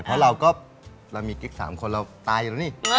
เพราะเราก็เรามีกิ๊ก๓คนเราตายอยู่แล้วนี่